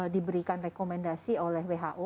diberikan rekomendasi oleh who